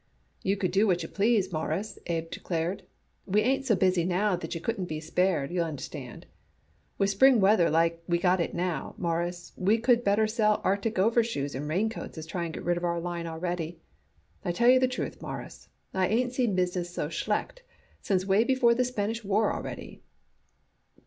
"You could do what you please, Mawruss," Abe declared. "We ain't so busy now that you couldn't be spared, y'understand. With spring weather like we got it now, Mawruss, we could better sell arctic overshoes and raincoats as try to get rid of our line already. I tell you the truth, Mawruss, I ain't seen business so schlecht since way before the Spanish War already."